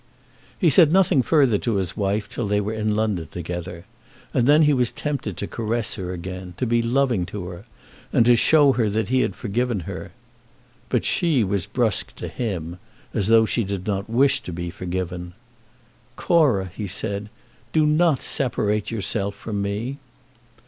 He said nothing further to his wife till they were in London together, and then he was tempted to caress her again, to be loving to her, and to show her that he had forgiven her. But she was brusque to him, as though she did not wish to be forgiven. "Cora," he said, "do not separate yourself from me."